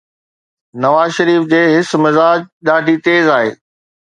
نواز شريف جي حس مزاح ڏاڍي تيز آهي.